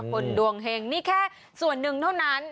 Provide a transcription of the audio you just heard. คนดวงแห่งนี่แค่ส่วน๑เท่านั้น